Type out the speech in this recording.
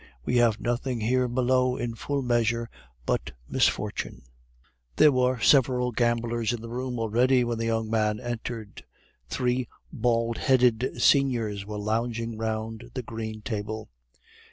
We have nothing here below in full measure but misfortune. There were several gamblers in the room already when the young man entered. Three bald headed seniors were lounging round the green table.